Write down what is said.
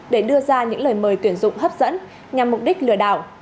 để đưa ra những lời mời tuyển dụng hấp dẫn nhằm mục đích lừa đảo